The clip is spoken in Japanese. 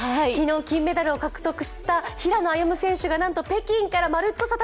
昨日、金メダルを獲得した平野歩夢選手がなんと北京から「まるっと！